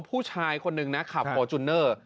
ผู้ชายคนนึงขับหจุณเนอร์